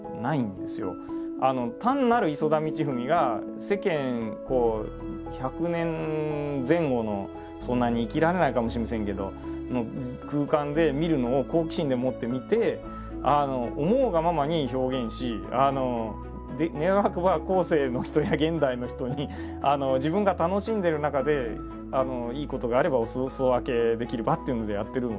単なる磯田道史が世間１００年前後のそんなに生きられないかもしれませんけどの空間で見るのを好奇心でもって見て思うがままに表現し願わくば後世の人や現代の人に自分が楽しんでる中でいいことがあればお裾分けできればっていうのでやってるので。